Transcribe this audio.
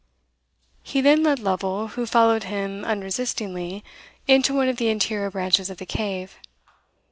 He then led Lovel, who followed him unresistingly, into one of the interior branches of the cave.